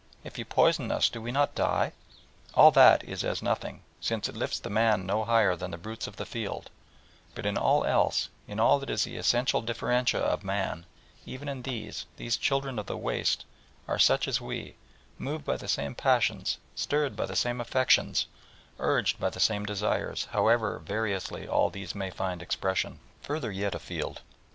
If you poison us, do we not die?" All that is as nothing, since it lifts the man no higher than the brutes of the field, but in all else, in all that is the essential differentia of man, even in these, these children of the waste are such as we, moved by the same passions, stirred by the same affections, urged by the same desires, however variously all these may find expression. Further yet afield.